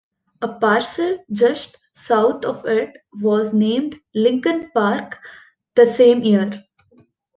A parcel just south of it was named Lincoln Park the same year.